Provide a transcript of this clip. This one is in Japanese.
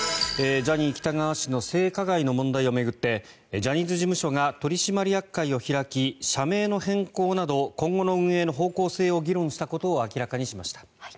ジャニー喜多川氏の性加害の問題を巡ってジャニーズ事務所が取締役会を開き社名の変更など今後の運営の方向性を議論したことを明らかにしました。